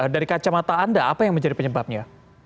dari kacamata anda apa yang menjadi penyebabnya